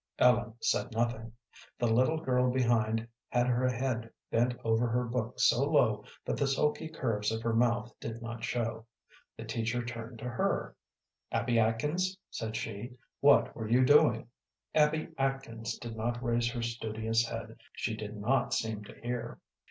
Ellen said nothing. The little girl behind had her head bent over her book so low that the sulky curves of her mouth did not show. The teacher turned to her "Abby Atkins," said she, "what were you doing?" Abby Atkins did not raise her studious head. She did not seem to hear.